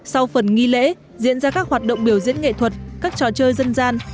sau phần nghi lễ diễn ra các hoạt động biểu diễn nghệ thuật các trò chơi dân gian